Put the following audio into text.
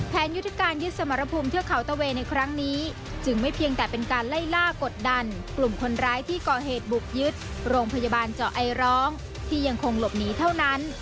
ยุทธการยึดสมรภูมิเทือกเขาตะเวย์ในครั้งนี้จึงไม่เพียงแต่เป็นการไล่ล่ากดดันกลุ่มคนร้ายที่ก่อเหตุบุกยึดโรงพยาบาลเจาะไอร้องที่ยังคงหลบหนีเท่านั้น